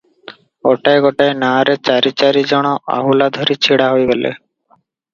ଗୋଟାଏ ଗୋଟାଏ ନାଆରେ ଚାରି ଚାରି ଜଣ ଆହୁଲା ଧରି ଛିଡା ହୋଇଗଲେ ।